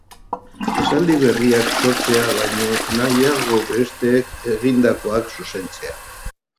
Esaldi berriak sortzea baino nahiago besteek egindakoak zuzentzea.